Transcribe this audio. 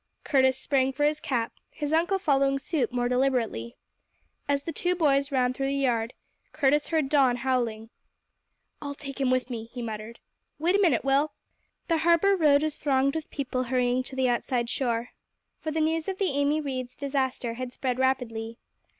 Curtis sprang for his cap, his uncle following suit more deliberately. As the two boys ran through the yard, Curtis heard Don howling. "I'll take him with me!" he muttered. "Wait a minute, Will." The Harbour road was thronged with people hurrying to the outside shore, for the news of the Amy Readers disaster had spread rapidly.